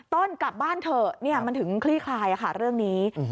กลับบ้านเถอะมันถึงคลี่คลายค่ะเรื่องนี้